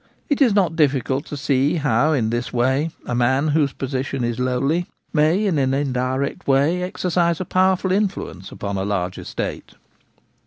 It is not difficult to see how in this way a man whose position is lowly may in an indirect way exercise a powerful influence upon a large estate.